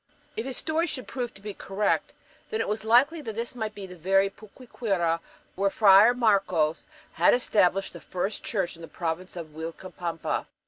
If his story should prove to be correct, then it was likely that this might be the very Puquiura where Friar Marcos had established the first church in the "province of Uilcapampa."